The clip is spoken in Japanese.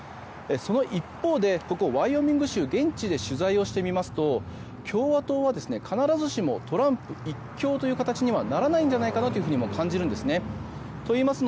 その一方でワイオミング州現地で取材をしてみますと共和党は必ずしもトランプ一強とならないんじゃないかというふうにも感じるんです。